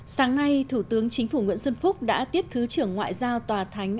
sáng nay thủ tướng chính phủ nguyễn xuân phúc đã tiếp thứ trưởng ngoại giao tòa thánh